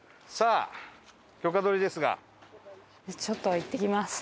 ちょっと行ってきます。